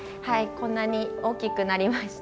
こんなに大きくなりました。